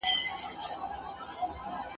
او ما په هغه پسي اقتداء کړې ده !.